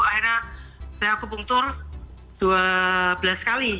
akhirnya saya aku pungtur dua belas kali